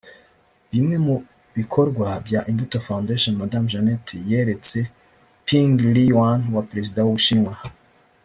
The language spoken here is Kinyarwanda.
Bimwe mu bikorwa bya Imbuto Foundation Madame Jeannette Kagame yeretse Peng Liyuan wa Perezida w’u Bushinwa